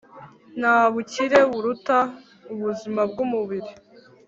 Nta bukire buruta ubuzima bw’umubiri,